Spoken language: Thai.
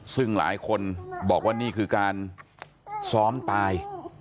ซึ่งหลายคนบอกว่านี่คือการซ้อมตาย